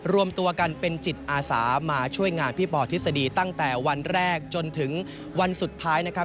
รวมตัวกันเป็นจิตอาสามาช่วยงานพี่ปอทฤษฎีตั้งแต่วันแรกจนถึงวันสุดท้ายนะครับ